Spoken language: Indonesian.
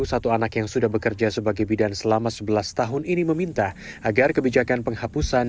satu anak yang sudah bekerja sebagai bidan selama sebelas tahun ini meminta agar kebijakan penghapusan